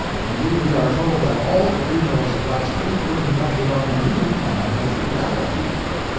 "Indeed we are told that all the funerals of last week were conducted on the new Plan of Frugality.